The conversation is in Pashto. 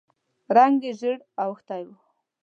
رنګ یې ژېړ اوښتی و.